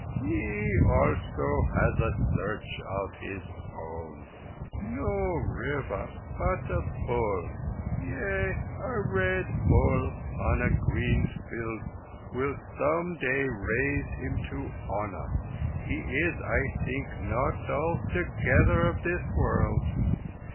"He also has a Search of his own. No river, but a Bull. Yea, a Red Bull on a green field will some day raise him to honour. He is, I think, not altogether of this world.